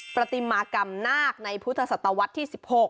ปฏิมากรรมนาคในพุทธศตวรรษที่๑๖